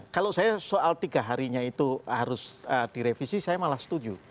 kalau saya soal tiga harinya itu harus direvisi saya malah setuju